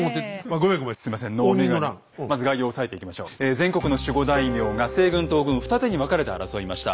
全国の守護大名が西軍東軍二手に分かれて争いました。